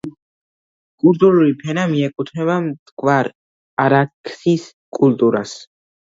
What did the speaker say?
კულტურული ფენა მიეკუთვნება მტკვარ-არაქსის კულტურას.